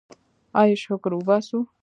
آیا شکر وباسو؟